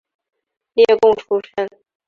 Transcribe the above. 例贡出身。